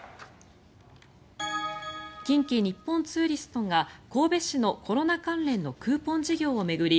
近畿日本ツーリストが神戸市のコロナ関連のクーポン事業を巡り